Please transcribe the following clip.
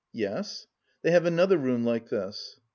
"Yes.... They have another room like this."